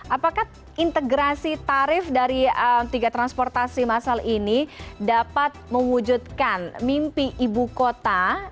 apakah integrasi tarif dari tiga transportasi masal ini dapat mewujudkan mimpi ibu kota